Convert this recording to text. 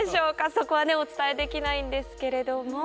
そこはお伝えできないんですけれども。